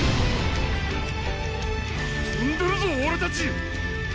とんでるぞオレたち！